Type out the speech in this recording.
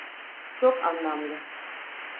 Çok anlamlı.